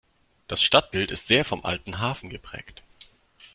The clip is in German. Das Stadtbild ist sehr vom alten Hafen geprägt.